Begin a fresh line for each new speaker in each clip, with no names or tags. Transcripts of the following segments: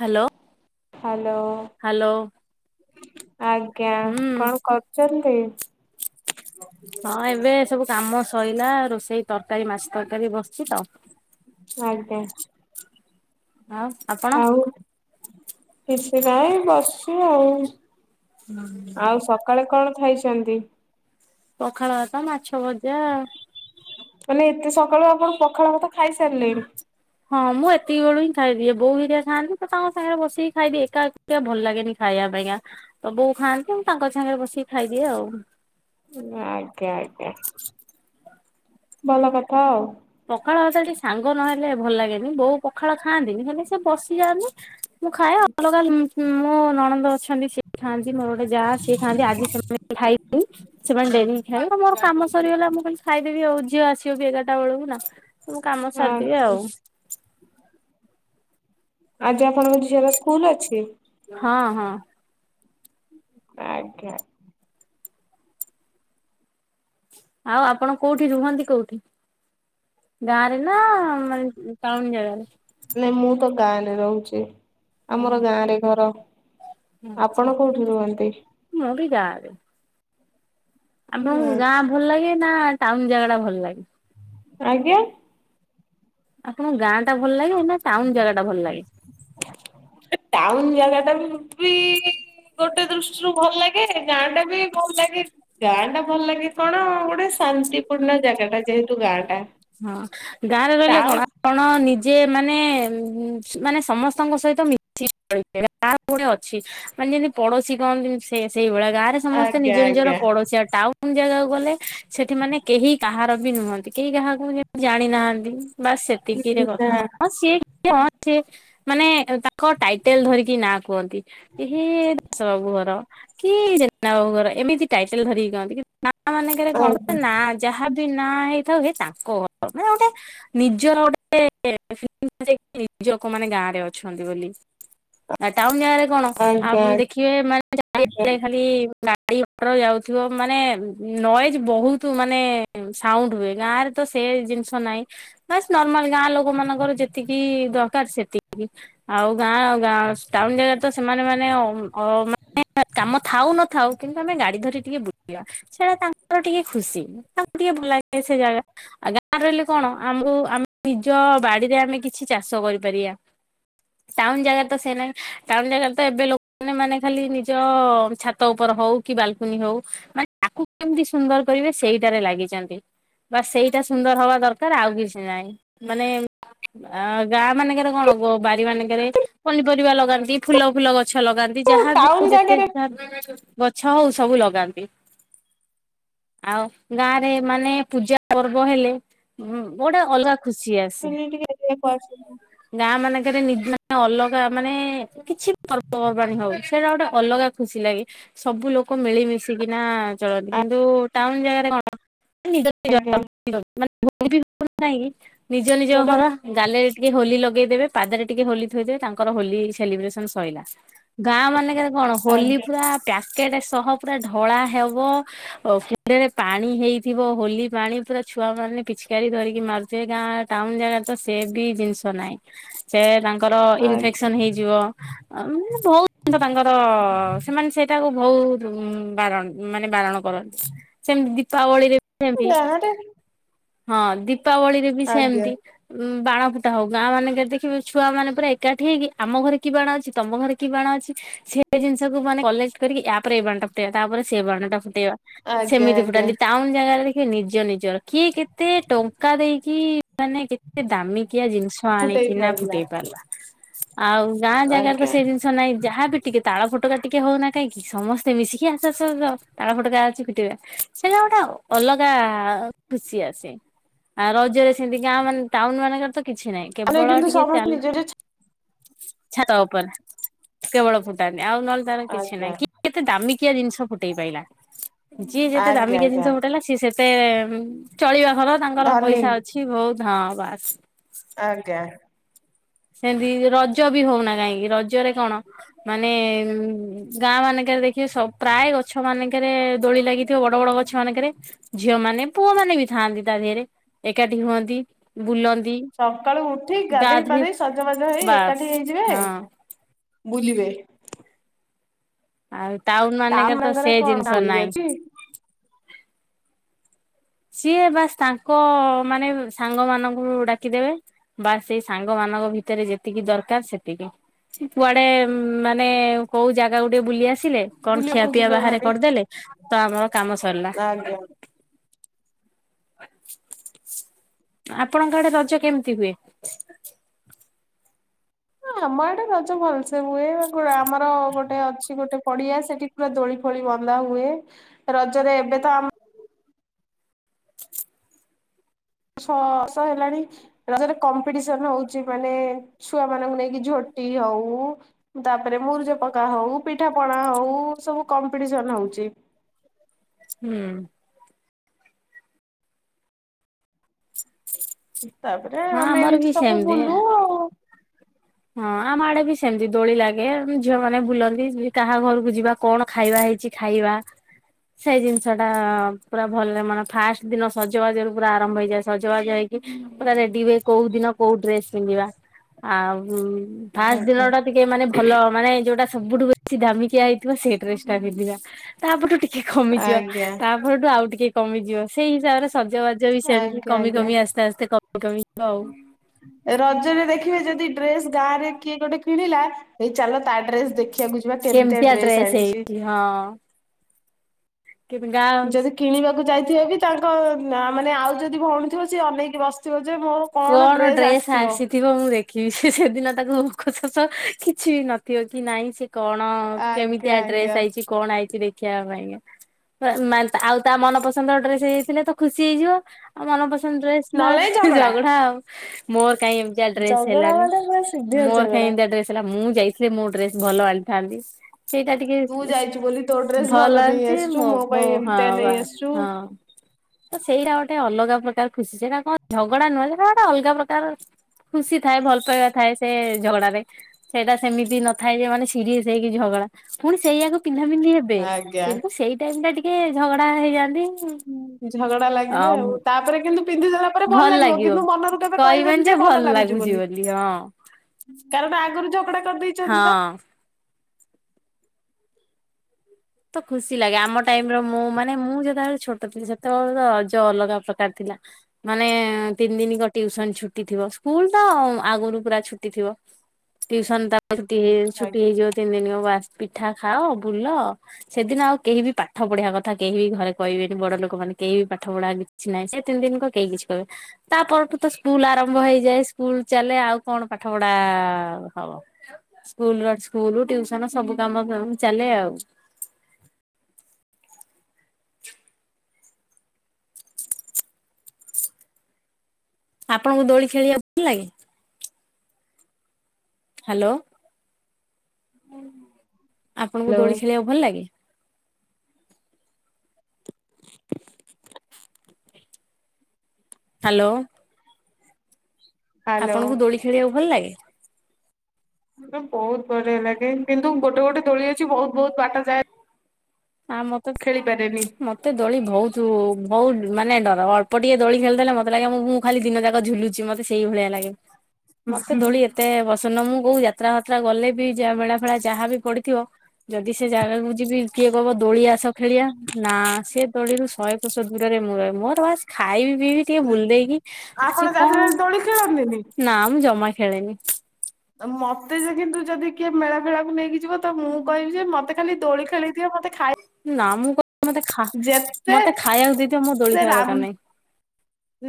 Hello
hello
hello
ଆଜ୍ଞା
ହୁଁ
କଣ କ ଚନ୍ତି
ହଁ ଏବେ ସବୁ କାମ ସଇଲା ରୋଷେଇ ତରକାରୀ ମାଛ ତରକାରୀ ବସିଚି ତ
ଆଜ୍ଞା
ଆଉ ଆପଣ?
ଆଉ କିଛି ନାଇ ବସଚି ଆଉ।
ହୁଁ
ଆଉ ସକାଳେ କଣ ଥାଇଚନ୍ତି?
ପଖାଳ ଭାତ ମାଛ ଭଜା
ମାନେ ଏତେ ସକାଳୁ ଆପଣ ପଖାଳ ଭାତ ଖାଇସାରିଲେଣି।
ହ ହଁ ମୁଁ ଏତିକି ବେଳୁ ହିଁ ଖାଇଦିଏ। ବୋଉ ହେରିକା ଖାଆନ୍ତି ତ ତାଙ୍କ ସାଙ୍ଗରେ ବସିକି ଖାଇଦିଏ ଏକା ଏକା ଭଲ ଲାଗେନି। ଖାଇବା ପାଇଁକା ତ ବୋଉ ଖାଆନ୍ତି ମୁଁ ତାଙ୍କ ସାଙ୍ଗରେ ବସିକି ଖାଇଦିଏ ଆଉ।
ଆଜ୍ଞା ଆଜ୍ଞା ଭଲ କଥା ଆଉ।
ପଖାଳ ଭାତ ଟିକେ ସାଙ୍ଗ ନହେଲେ ଭଲ ଲାଗେନି ବୋଉ ପଖାଳ ଖାଆନ୍ତିନି ହେଲେ ସେ ବସିଯାଆନ୍ତିି ମୁଁ ଖାଏ ଅଲଗା ମୋ ନଣନ୍ଦ ଅଛନ୍ତି ସେ ଖାଆନ୍ତି ମୋର ଗୋଟେ ଯା ସିଏ ଖାଆନ୍ତି। ଆଜି ସମସ୍ତେ ମିଶିକି ଖାଇଚୁ। ସେମାନେ ଡେରି ହି ଖାଇବେ। ଆ ମୋର କାମ ସରିଗଲା ମୁଁ କହିଲି ଖାଇଦେବି ଆଉ ଝୀଅ ଆସିବ ବି ଏଗାରଟା ବେଳକୁୁ ନା। ମୁଁ କାମ ସାରିଦେବି
ଆଜ୍ଞା
ଆଉ।
ଆଜି ଆପଣଙ୍କ ଝିଅର ସ୍କୁଲ ଅଛି?
ହଁ ହଁ।
ଆଜ୍ଞା।
ଆଉ ଆପଣ କୋଉଠି ରୁହନ୍ତି କୋଉଠି? ଗାଁରେ ନା ମାନେ ଟାଉନ ଜାଗାରେ?
ନ ମୁଁ ତ ଗାଁରେ ରହୁଛି ଆମର
ହଁ
ଗାଁରେ ଘର।
ଆଚ୍ଛା
ଆପଣ କୋଉଠି ରୁହନ୍ତି?
ମୁଁ ବି ଗାଁରେ। ଆପଣଙ୍କୁ ଗାଁ ଭଲ ଲାଗେ ନା ଟାଉନ ଜାଗା ଟା ଭଲ ଲାଗେ?
ଆଜ୍ଞା?
ଆପଣଙ୍କୁ ଗାଁ ଟା ଭଲ ଲାଗେ ନା ଟାଉନ ଜାଗା ଟା ଭଲ ଲାଗେ?
ଟାଉନ ଜାଗା ଟା ବି ପି ଗୋଟେ ଦୃଷ୍ଟିରୁ ଭଲ ଲାଗେ ଗାଁ ଟା ବି ଭଲ ଲାଗେ। ଗାଁ ଟା ଭଲ ଲାଗେ କଣ ଗୋଟେ ଶାନ୍ତିପୂର୍ଣ୍ଣ ଜାଗା ଟା ଯେହେତୁ ଗାଁ ଟା।
ହଁ ଗାଁରେ ରହିଲେ
ଟାଉ
କଣ ଆପଣ ନିଜେ ମାନେ ମାନେ ସମସ୍ତଙ୍କ ସହିତ ମିଶିକି ରହିପାରିବେ। ତାର ଗୋଟେ ଅଛି ମାନେ ଯେମିତି ପଡୋଶୀ କହନ୍ତିନି ସେ ସେଇଭଳିଆ ଗାଁ ରେ ସମସ୍ତେ ନିଜ
ଆଜ୍ଞା
ନିଜର
ଆଜ୍ଞା
ପଡୋଶୀ ଆଉ ଟାଉନ୍ ନ୍ ଜାଗାକୁ ଗଲେ ସେଠି ମାନେ କେହି କାହାର ବି ନୁହଁନ୍ତି କେହି କାହା କୁ ଯେମିତି ଜାଣିନାହାନ୍ତି ବାସ୍ ସେତିକିରେ
ଆଜ୍ଞା
କଥା। ହଁଁ ସି କି ହଁ ସ ମାନେ ତାଙ୍କ ଟାଇଟେଲ ଧରିକି ନାଁ କୁହନ୍ତି। କି ହେ ଦାଶ ବାବୁ ଘର। କି ଜେନାବାବୁ ଘର ଏମିତି ଟାଇଟେଲ ଧରିକି କହନ୍ତି। କିନ୍ତୁ ଗାଁ ମାନଙ୍କରେ କଣ ଗୋଟେ ନା ଯାହା ବି ନା ହେଇଥାଉ ହେ ତାଙ୍କ ଘର। ମାନେ ଗୋଟେ ନିଜର ଗୋଟେ ଲାଗେ [unintelligible] ନିଜ ଲୋକ ମାନେ ଗାଁରେ ଅଛନ୍ତି ବୋଲି। ଆ ଟାଉନ ଜାଗାରେ କଣ
ଆଜ୍ଞା
ଆପଣ
ଆଜ୍ଞା।
ଦେଖିବେ ମାନେ ଚାରିଆଡେ ଖାଲି ଗାଡି ମଟର ଯାଉଥିବ ମାନେ ନଏଜ ବହୁତ ମାନେ ସାଉଣ୍ଡ ହୁଏ। ଗାଁରେ ତ ସେ ଜିନିଷ ନାହିଁ ବାସ୍ ନର୍ମାଲ ଗାଁ ଲୋକ ମାନଙ୍କର ଯେତିକି ଦରକାର ସେତିକି। ଆଉ ଗାଁ ଗାଁ ଟାଉନ ଜାଗାରେ ତ ସେମାନେ ମାନେ କାମ ଥାଉ ନଥାଉ କିନ୍ତୁ ଆମେ ଗାଡି ଧରି ଟିକେ ବୁଲିବା। ସେଇଟା ତାଙ୍କର ଟିକେ ଖୁସି। ତାଙ୍କୁ ଟିକେ ଭଲଲାଗେ ସେ ଜାଗା। ଆ ଗାଁ ରହିଲେ କଣ ଆମକୁ ଆମେ ନିଜ ବାଡିରେ ଆମେ କିଛି ଚାଷ କରିପାରିବା। ଟାଉନ ଜାଗାରେ ତ ସେ ନ ଟାଉନ ଜାଗାରେ ତ ଏବେ ଲୋକମାନେ ମାନେ ଖାଲି ନିଜ ଛା ତ ଉପର ହଉ କି ବାଲକୁନି ହଉ ମାନେ ତାକୁ କେମିତି ସୁନ୍ଦର କରିବେ ସେଇଟାରେ ଲାଗିଛନ୍ତି। ବାସ୍ ସେଇଟା ସୁନ୍ଦର ହବା ଦରକାର ଆଉ କିଛି ନାହିଁ। ମାନେ ଆ ଗାଁ ମାନଙ୍କରେ କଣ ଗ ବାରି ମାନଙ୍କରେ ପନିପରିବା ଲଗାନ୍ତି ଫୁଲ ଫୁଲ ଗଛ ଛ ଲଗାନ୍ତି ଯାହା ବି ହଉ
ଟାଉନ
ଯେତେ
ଜାଗାରେ
ବି ଯାହା ସବୁ ଗଛ ହଉ ସବୁ ଲଗାନ୍ତି। ଆଉ ଗାଁ ରେ ମାନେ ପୂଜା ପର୍ବ ହେଲେ ଉ ଗୋଟେ ଅଲଗା ଖୁସି ଆସେ।
ଶୁନି ଟିକେ ଏରିଆକୁ ଆସନ୍ତୁ।
ଗାଁ ମାନେଙ୍କେରେ ନିଜେ ମାନେ ଅଲଗା ମାନେ କିଛି ପର୍ବପର୍ବାଣି ହୋଉ ସେଇଟା ଗୋଟେ ଅଲଗା ଖୁସି ଲାଗେ ସବୁ ଲୋକ ମିଳିମିଶିକିନା ଚଳନ୍ତି କିନ୍ତୁ ଟାଉନ ଜାଗାରେ କଣ [inaudible]
ଆଜ୍ଞା
ନିଜ ନିଜ
ପ୍ରୋବ୍ଲେମ
ଘର ଗାଲିରେ ଟିକେ ହୋଲି ଲଗେଇଦେବେ ପାଦରେ ଟିକେ ହୋଲି ଥୋଇଦେବେ ତାଙ୍କର ହୋଲି ସେଲିବ୍ରେସନ ସରିଲା ଗାଁ ମାନଙ୍କରେ କଣ ହୋଲି
ଆଜ୍ଞା
ପୁରା ପ୍ୟାକେଟ ସହ ପୁରା ଢଳା ହବ କୁଣ୍ଡରେ ପାଣି ହେଇଥିବ ହୋଲି ପାଣିରେ ପୁରା ଛୁଆ ମାନେ ପିଚିକାରି ଧରିକି ମାରୁଥିବେ ଗାଁ ଟାଉନ ଜାଗାରେ ତ ସେ ବି ଜିନିଷ ନାହିଁ ସେ ତାଙ୍କର
ଆଜ୍ଞା
ଇନଫେକ୍ସନ ହେଇଯିବ ମାନେ ବହୁତ ତାଙ୍କର ସେମାନେ ସେଇଟାକୁ ବହୁତ ବାରଣ ମାନେ ବାରଣ କରନ୍ତି ସେମିତି ଦୀପାବଳିରେ ସେମିତି
ଗାଁରେ
ହଁ ଦୀପାବଳିରେ ବି
ଆଜ୍ଞା
ସେମତି ଆଉ ବାଣ ଫୁଟା ହଉ, ଗାଁ ମାନଙ୍କରେ ଦେଖିବେ ଛୁଆ ମାନେ ପୁରା ଏକାଠି ହେଇକି ଆମ ଘରେ କି ବାଣ ଅଛି ତମ ଘରେ କି ବାଣ ଅଛି ସେ ଜିନିଷକୁ ମାନେ କଲେକ୍ଟ କରିକି ଆ ପରେ ଏ ବାଣ ଟା ଫୁଟେଇବା ତାପରେ ସେ ବାଣ ଟା ଫୁଟେଇବା
ଆଜ୍ଞା
ସେମିତି
ଆଜ୍ଞା
ଫୁଟାନ୍ତି ଟାଉନ ଜାଗାରେ ଦେଖିବ ନିଜେ ନିଜ ନିଜର କିଏ କେତେ ଟଙ୍କା ଦେଇକି ମାନେ କେତେ ଦାମିକିଆ ଜିନିଷ ଅ ଆଣିକିନା ଫୁଟେଇ ପାରିଲା ଆଉ ଗାଁ ଜାଗାରେ ତ
ଆଜ୍ଞା
ସେଇ ଜିନିଷ ନହିଁ ଯାହା ବିି ଟିକେ ତାଳ ଫଟକା ଟିକେ ହଉନା କାହିଁକି ସମସ୍ତେ ମିଶିକି ଆସ ଆସ ଆସ ତାଳ ଫଟକା ଅଛି ଫୁଟେଇବା ସେଇଟା ଗୋଟେ ଅଲଗା ଖୁସି ଆସେ ଆ ରଜରେ ସେମତି ଗାଁ ମାନେ ଟାଉନ ମାନଙ୍କର ତ କିଛି ନାହିଁ
ଆମେ
କେବଳ
କିନ୍ତୁ
ଟିକେ
ସମସ୍ତେ
ଚାଲ
ନିଜ ନିଜ
ଛାତ ଉପରେ କେବଳ ଫୁଟାନ୍ତି ଆଉ ନହେଲେ କିଛି
ଆଜ୍ଞା
ନାଇଁ କିଏ କେତେ ଦାମିକିଆ ଜିନିଷ ଫୁଟେଇ ପ ପାଇଲା ଯିଏ ଯେତେ
ଆଜ୍ଞା
ଦାମିକିଆ
ଆଜ୍ଞା
ଜିନିଷ ଫୁଟେଇଲା ସେତେ ଚଳିବା ଘର ତାଙ୍କର
ଧନୀ
ପଇସା ଅଛି ବହୁତ ହଁ ବାସ୍।
ଆଜ୍ଞା।
ସେମତି ରଜ ବି ହଉନା କାହିଁକି ରଜରେ କଣ ମାନେ ଉ ଗାଁ ମାନଙ୍କରେ ଦେଖିବେ ପ୍ରାୟ ଗଛ ମାନଙ୍କରେ ଦୋଳି ଲାଗିଥିବ ବଡ ବଡ ଗଛ ଛ ମାନଙ୍କରେ ଝିଅ ମାନେ ପୁଅ ମାନେ ବି ଥାଆନ୍ତି ତା ଦିହରେ ଏକାଠି ହୁଅନ୍ତି ବୁଲନ୍ତି
ସକାଳୁ ଉଠି ଗାଧେଇ
ଗାଧେ
ପାଧେଇ ସଜବାଜ ହେଇ ଏକାଠି ହେଇଯିବେ ବୁଲିବେ।
ଆଉ ଟାଉନ ମାନେଙ୍କରେ ତ
ମାନଙ୍କରେ
ସେ
କଣ
ଜିନିଷ
ଦୋଳି
ନାହିଁ।
ଅଛି
ସିଏ ବାସ୍ ତାଙ୍କ ମାନେ ସାଙ୍ଗ ମାନଙ୍କୁ ଡାକିଦେବେ ବାସ୍ ସେଇ ସାଙ୍ଗମାନଙ୍କ ଭିତରେ ଯେତିକି ଦରକାର ସେତିକି। କୁଆଡେ ମାନେ କୋଉ ଜାଗା ଗୋଟେ ବୁଲି ଆସିଲେ କଣ ଖିଆ
ବୁଲିବାକୁ
ପିଆ
ଯିବେ
ବାହାରେ
ଭାରି
କରିଦେଲେ ତ ଆମର କାମ ସରିଲା।
ଆଜ୍ଞା।
ଆପଣଙ୍କ ଆଡେ ରଜ କେମିତି ହୁଏ?
ଆମ ଆଡେ ରଜ ଭଲସେ ହୁଏ ଆମର ଗୋଟେ ଅଛି ଗୋଟେ ପଡିଆ ସେଠି ଦୋଳି ଫୋଳି ବନ୍ଧା ହୁଏ ରଜରେ ଏବେ ତ ଆମ ଶ-ସ ହେଲାଣି ରଜରେ କମ୍ପିଟିସନ ହଉଛି ମାନେ ଛୁଆ ମାନଙ୍କୁ ନେଇକି ଝୋଟି ହଉ ତାପରେ ମୁରଜ ପକା ହଉ ପିଠା ପଣା ହଉ ସବୁ କମ୍ପିଟିସନ ହଉଛି
ହୁଁ।
ତାପରେ
ହଁ
ଆମେ
ଆମର
ଏମିତି
ବି
ସବୁ
ସେମିତି।
ବୁଲୁ ଆଉ।
ହଁ ଆମ ଆଡେ ବି ସେମିତି ଦୋଳି ଲାଗେ ଝିଅ ମାନେ ବୁଲନ୍ତି କାହା ଘରକୁ ଯିବା କଣ ଖାଇବା ହେଇଛି ଖାଇବା ସେଇ ଜିନିଷ ଟା ପୁରା ଭଲ ମାନେ ଫାଷ୍ଟ ଦିନ ସଜବାଜରୁ ପୁରା ଆରମ୍ଭ ହେଇଯାଏ ସଜବାଜ ହେଇକ ପୁରା ରେଡି ହୁଏ କୋଉ ଦିନ କୋଉ ଡ୍ରେସ ପିନ୍ଧିବା ଆଉ ହୁଁ ଫାଷ୍ଟ ଦିନ
ଆଜ୍ଞା
ଟା ଟିକେ ମାନେ ଭଲ ମାନେ ଯୋଉଟା ସବୁଠୁ ସେ ଦାମିକିଆ ହେଇଥିବ ସେଇ ଡ୍ରେସ ଟା ପିନ୍ଧିବା ତାପଠୁ ଟିକେ କମିଯିବା
ଆଜ୍ଞା
ତା ଠୁ ଆଉ ଟିକେ କମିଯିବ ସେଇ ହିସାବରେ ସଜବାଜ ବି ସେମତି
ଆଜ୍ଞା
କମି
ଆଜ୍ଞା।
କମି ଆସ୍ତେ ଆସ୍ତେ [unintelligible]
ରଜରେ ଦେଖିବେ ଯଦି ଡ୍ରେସ ଗାଁ ରେ କିଏ ଗୋଟେ କିଣିଲା ଏଇ ଚାଲ ତା ଡ୍ରେସ ଦେଖ ଦେଖିବାକୁ ଯିବା କେମିତି
କେମିତିଆ
ଡ୍ରେସ ଆଣିଛି।
ହେଇଛି ହଁ। କିପିଙ୍ଗି ଗ୍ଲାସ।
ଯଦି କିଣିବାକୁ ଯାଇଥିବେ ବି ତାଙ୍କ ମାନେ ଆଉ ଯଦି ଭଉଣୀଥିବ ସି ଅନେଇକି ବସିଥିବ ଯେ ମୋର
କଣ ଡ୍ରେସ ଆସି ଥିବ ମୁଁ ଦେଖିବି ସେ ସେଦିନ ତାକୁ ମୁଖ ଶଷ କିଛି ବି ନଥିବ କି ନାଇଁ ସେ କଣ
ଆଜ୍ଞା
କେମିତିଆ
ଆଜ୍ଞା
ଡ୍ରେସ ଆଇଛି କଣ ଆଇଛି ଦେଖିବା ପାଇଁ କା। ଆଉ ତା ମନ ପସନ୍ଦ ଡ୍ରେସ ହେଇଯାଇଥିଲେ ତ ଖୁସି ହେଇଯିବ। ଆଉ ମନପସନ୍ଦ ଡ୍ରେସ ନହେଇଥିଲେ ଝଗଡା ଆଉ ମୋର କାଇଁ ଏ ଏମିତିଆ ଡ୍ରେସ
ଝଗଡା
ହେଲାନି
ମାନେ ପୁରା ସିଭିୟର
ମୋର କାଇଁ
ଝଗଡା।
ଏନ୍ତିଆ ଡ୍ରେସ ହେଲା ମୁଁ ଯାଇ ଯେ ମୋ ଡ୍ରେସ ଭଲ ଆଣିଥାନ୍ତି। ସେଇଟା ଟିକେ
ତୁ ଯାଇଛୁ ବୋଲି ତୋ ଡ୍ରେସ
ଭଲ
ନେଇ
ଅଛି
ଆସିଛୁ
ମୋ ମୋ
ପାଇଁ
ହଁ
ଏମିତିଆ ନେଇ
ବା
ଆସିଛୁ
ହଁ। ତ ସେଇଟା ଗୋଟେ ଅଲଗା ପ୍ରକାର ଖୁସି ସେଇଟା କଣ ଝଗଡା ନୁହେଁ ସେଟା ଗୋଟେ ଅଲଗା ପ୍ରକାର ଖୁସି ଥାଏ ଭଲ ପାଇବା ଥାଏ ସେ ଝଗଡାରେ। ସେଇଟା ସେମିତି ନଥାଏ ଯେ ମାନେ ସିରିଏସ ସେଇକି ଝଗଡା ପୁଣି ସେଇୟାକୁ ପିନ୍ଧା ପିନ୍ଧି ହେ ହେବେ
ଆଜ୍ଞା।
କିନ୍ତୁ ସେଇ ଟାଇମ ଟା ଟିକେ ଝଗଡା ହେଇଯାଆନ୍ତି।
ଝଗଡା
ଅ
ଲାଗିବେ ଆଉ ତାପରେ କିନ୍ତୁ ପିନ୍ଧିଦେବେ। ତାପରେ ଭଲ ଲାଗିବ କିନ୍ତୁ ମନରୁ କେବେ କହିବେନି ଯେ ଭଲ ଲାଗୁଛି ବୋଲି। କାରଣ ଆଗରୁ ଝଗଡ଼ା କରିଦେଇ
ହଁ। ତ ଖୁସି ଲାଗେ ଆମ ଟାଇମ ର ମୁଁ ମାନେ ମୁଁ ଯେତେବେଳେ ଛୋଟ ଥିଲି ସେତେବେଳ ରଜ ଅଲଗା ପ୍ରକାର ଥିଲା। ମାନେ ତିନି ଦିନ। ଟିଉସନ ଛୁଟି ଥିବ ସ୍କୁଲ ତ ଆଗରୁ ପୁରା ଛୁଟି ଥିବ ଟିଉସନ ଟା ଛୁଟି
ଆଜ୍ଞା।
ହେଇଯିବ ତିନି ଦିନ ବାସ ପିଠା ଖାଅ ବୁଲ। ସେଦିନ ଆଉ କେହି ବି ପାଠ ପଢିବା କଥା କେହି ବି ଘରେ କହିବେନି ବଡ ଲୋକମାନେ କେହି ବି ପାଠ ପଢା କିଛି ନାହିଁ ସେ ତିନି ଦିନ କ କେହି କିଛି କହିବେନି। ତା ପରଠୁ ତ ସ୍କୁଲ ଆରମ୍ଭ ହେଇଯାଏ ସ୍କୁଲ ଚାଲେ ଆଉ କଣ ପାଠ ପଢା ଆ ହବ। ସ୍କୁଲର ସ୍କୁଲ ଟିଉସନ ସବୁ କାମ ଚାଲେ ଆଉ। ଆପଣଙ୍କୁ ଦୋଳି ଖେଳିବାକୁ ଭଲ ଲାଗେ? ହାଲୋ। ଆପଣଙ୍କୁ
ହ୍ୟାଲୋ।
ଦୋଳି ଖେଳିବାକୁ ଭଲ ଲାଗେ? ହ୍ୟାଲୋ।
ହ୍ୟାଲୋ।
ଆପଣଙ୍କୁ ଦୋଳି ଖେଳିବାକୁ ଭଲ ଲାଗେ?
ମୋତେ ବହୁତ ବଢିଆ ଲାଗେ କିନ୍ତୁ ଗୋଟେ ଗୋଟେ ଦୋଳି ଅଛି ବହୁତ ବହୁତ ବାଟ ଯାଏ।
ଆମର ତ
ଖେଳି ପାରେନି।
ମୋ ମତେ ଦୋଳି ବହୁତ ବହୁତ ମାନେ ଡର ଅଳ୍ପ ଟିକେ ଦୋଳି ଖେଳିଦେଲେ ମୋତେ ଲାଗେ ମୁଁ ଖାଲି ଦିନ ଯାକ ଝୁଲୁଛି ମତେ ସେଇ ଭଳିଆ ଲାଗେ ମତେ ଦୋଳି ଏତେ ମୋତେ ପସନ୍ଦ ନୁହେଁ ମୁଁ କୋଉ ଯାତ୍ରା ଫାତ୍ରା ଗଲେ ବି ଯହା ମେଳା ଫେଳା ଯାହା ବି ପଡିଥିବ ଯଦି ସେ ଜାଗାକୁୁ ଯିବି। କିଏ କହିବ ଦୋଳି ଆସ ଖେଳିବା ନା ସେ ଦୋଳିରୁ ଶହେ କୋଷ ଦୂରରେ ମୁଁ ରହେ ମୋର ବାସ ଖାଇବି ପିଇବି ଟିକେ ଭୁଲ ଦେଇକି
ଆପଣ
ଆସିବି
ଯାତ୍ରାରେ
କଣ
ଦୋଳି ଖେଳନ୍ତିନି?
ନା ମୁଁ ଜମା ଖେଳେନି।
ମତେ ଯେ କିନ୍ତୁ ଯଦି କିଏ ମେଳା ଫେଳାକୁ ନେଇକି ଯିବ ତ ମୁଁ କହିବି ଯେ ମତେ ଖାଲି ଦୋଳି ଖେଳେଇ ଦିଅ ମତେ ଖାଇ
ନା ମୁଁ କି ମତେ
ଯେତେ
ମତେ ଖାଇବାକୁ ଦେଇଦିଅ ମୋ ଦୋଳି ଖାଳିବା ଦରକାର ନାହିଁ।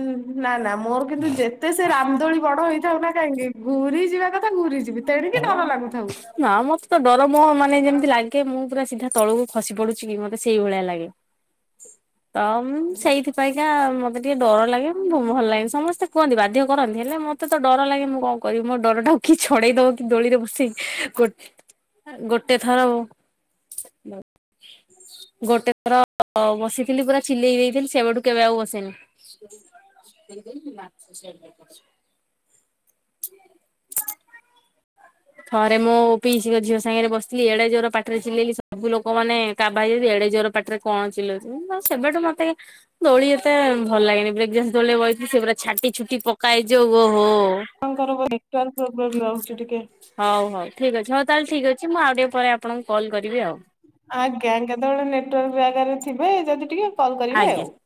ହୁଁ ନା ନା ମୋର କିନ୍ତୁ ଯେ ଯେତେ ସେ ରାମଦୋଳି ବଡ ହେଇଥାଉ ନା କାହିଁକି ଘୁରି ଯିବା କଥା ଘୁରିଯିବି ତେଣିକି ଡର ଲାଗୁଥାଉ।
ନା ମତେ ତ ଡର ମୋ ମାନେ ଯେମିତି ଲାଗେ ମୁଁ ପୁରା ସିଧା ତଳକୁ ଖସି ପଡୁଛି କି ମତେ ସେଇ ଭଳିଆ ଲାଗେ। ତ ଉଁ ସେଇଥିପାଇଁକା ମତେ ଟିକେ ଡର ଲାଗେ ମୁଁ ଭଲ ଲାଗେନି ସମସ୍ତେ କୁହନ୍ତି ବାଧ୍ୟ କରନ୍ତି ହେଲେ ମୋତେ ତ ଡର ଲାଗେ ମୁଁ କଣ କରିବି ମୋ ଡରଟାକୁ କିଛି ଛଡେଇ ଦବ କି ଦୋଳିରେ ବସେଇକି ଗୋଟେ ଗୋଟେ ଥର ଉ [unintelligible] ଗୋଟେ ଥର ବସିଥିଲି ପୁରା ଚିଲେଇ ଦେଇଥିଲି ସେବେଠୁ କେବେ ଆଉ ବସେନି। [inaudible] ଥରେ ମୋ ପିଇସୀ ଙ୍କ ଝିଅ ସାଙ୍ଗରେ ବସିଥିଲି ଏଡେ ଜୋର ପାଟିରେ ଚିଲେଇଲି ସବୁ ଲୋକମାନେ କାବା ହେଇକି ଯଦି ଏଡେ ଜୋର ପାଟିରେ କଣ ଚିଲଉଛୁ ସେବେଠୁ ମତେ ଦୋଳି ଏତେ ଭଲ ଲାଗେନି ବ୍ରେକଡାନ୍ସ ଦୋଳି ରେ ବଇଥିଲି ସେ ପୁରା ଛାଟି ଛୁଟି ପକଏ ଯେ ଓହୋ।
ଆପଣଙ୍କ ର ନେଟୱର୍କ ପ୍ରୋବ୍ଲେମ ରହୁଛି ଟିକେ।
ହୋଉ ହୋଉ ଠିକ୍ ଅଛି। ହୋଉ ତାହେଲେ ଠିକ୍ ଅଛି ମୁଁ ଆଉ ଟିକେ ପରେ ଆପଣଙ୍କୁ କଲ୍ କରିବି ଆଉ।
ଆଜ୍ଞା କେତେବେଳେ ନେଟୱାର୍କ ଜାଗାରେ ଥିବେ ଯଦି ଟିକେ କଲ୍ କରିବେ
ଆଜ୍ଞା।
ଆଉ।